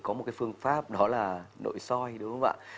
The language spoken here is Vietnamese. có một cái phương pháp đó là nội soi đúng không ạ